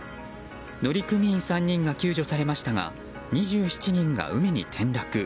乗組員３人が救助されましたが２７人が海に転落。